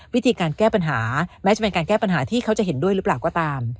วิธีการแก้ปัญหาแม้จะเป็นการแก้ปัญหาที่เขาจะเห็นด้วยหรือเปล่าก็ตาม